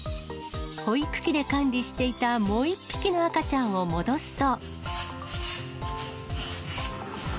保育器で管理していたもう１匹の赤ちゃんを戻すと。